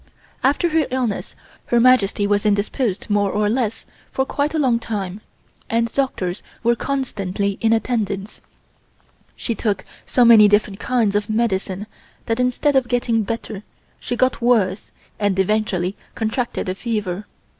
After her illness Her Majesty was indisposed more or less for quite a long time, and doctors were constantly in attendance. She took so many different kinds of medicine that instead of getting better she got worse and eventually contracted a fever.